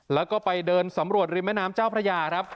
แล้วก็ไปเดินสำรวจริมแม่น้ำเจ้าพระยาครับ